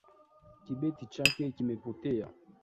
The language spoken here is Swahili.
Kibeti chake kimepotea